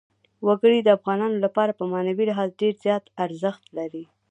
وګړي د افغانانو لپاره په معنوي لحاظ ډېر زیات ارزښت لري.